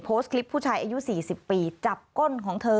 โพสต์คลิปผู้ชายอายุ๔๐ปีจับก้นของเธอ